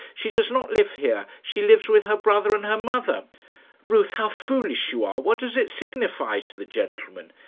She does not live here. She lives with her brother and her mother." "Ruth, how foolish you are! What does it signify to the gentleman?"